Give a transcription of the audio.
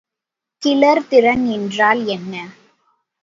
கிளர்திறன் என்றால் என்ன?